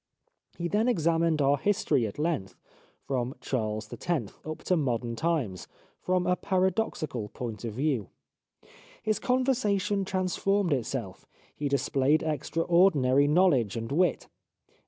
He then ex amined our history at length, from Charles X. up to modern times, from a paradoxical point of view. His conversation transformed itself, he displayed extraordinary knowledge and wit.